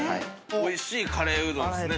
おいしいカレーうどんですね